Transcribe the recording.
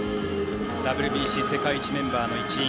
ＷＢＣ世界一メンバーの一員。